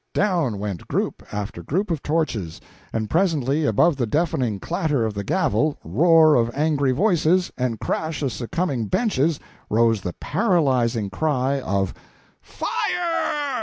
Down went group after group of torches, and presently above the deafening clatter of the gavel, roar of angry voices, and crash of succumbing benches, rose the paralyzing cry of "Fire!"